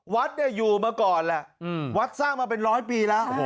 วัดเนี่ยอยู่มาก่อนแหละวัดสร้างมาเป็นร้อยปีแล้ว